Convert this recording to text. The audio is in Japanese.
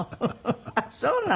あっそうなの。